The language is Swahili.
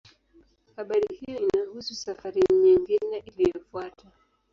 Habari hiyo inahusu safari nyingine iliyofuata.